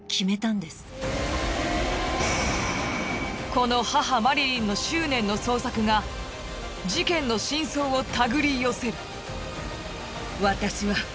この母マリリンの執念の捜索が事件の真相を手繰り寄せる。